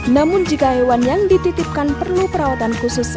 namun jika hewan yang dititipkan perlu perawatan khusus